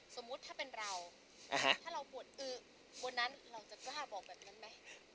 สมมุติถ้าเป็นเราถ้าเราปวดอื้อบนนั้นเราจะกล้าบอกแบบนั้นไหม